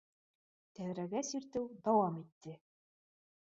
Тәҙрәгә сиртеү дауам итте.